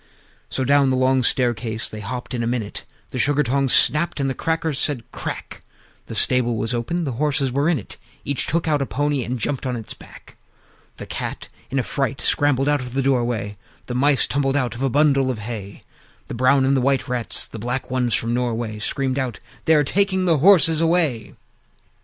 III. So down the long staircase they hopped in a minute; The Sugar tongs snapped, and the Crackers said "Crack!" The stable was open; the horses were in it: Each took out a pony, and jumped on his back. The Cat in a fright scrambled out of the doorway; The Mice tumbled out of a bundle of hay; The brown and white Rats, and the black ones from Norway, Screamed out, "They are taking the horses away!"